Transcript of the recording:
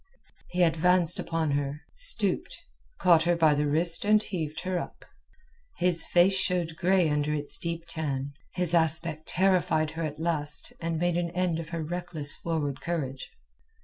He advanced upon her, stooped, caught her by the wrist, and heaved her up. His face showed grey under its deep tan. His aspect terrified her at last and made an end of her reckless forward courage.